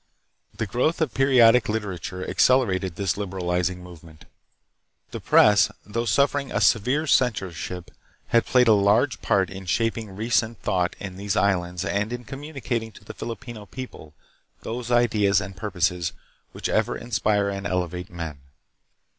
The growth of periodic liter ature accelerated this liberalizing movement. The press, though suffering a severe censorship, has played a large part in shaping recent thought in these islands and in , communicating to the Filipino people those ideas and purposes which ever inspire and elevate men.